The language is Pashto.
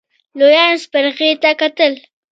لويانو سپرغې ته کتل.